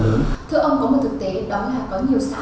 thưa ông có một thực tế đó là có nhiều xã hội